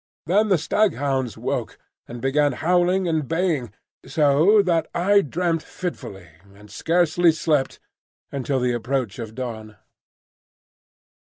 Then the staghounds woke, and began howling and baying; so that I dreamt fitfully, and scarcely slept until the approach of dawn.